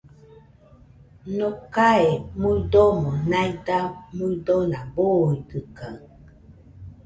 Nocae muidomo naida muidona, buidɨkaɨ